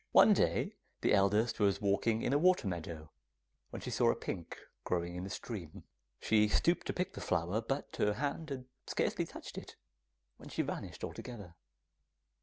One day the eldest was walking in a water meadow, when she saw a pink growing in the stream. She stooped to pick the flower, but her hand had scarcely touched it, when she vanished altogether.